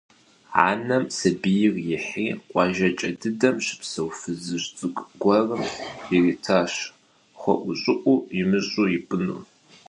Анэм сабийр ихьри къуажэкӀэ дыдэм щыпсэу фызыжь цӀыкӀу гуэрым иритащ хэӀущӀыӀу имыщӀу ипӀыну.